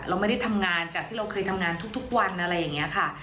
เราไม่ได้ทำงานจากที่เราเคยทำงานทุกวันอะไรอย่างนี้ค่ะ